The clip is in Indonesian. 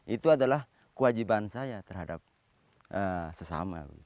itu adalah kewajiban saya terhadap sesama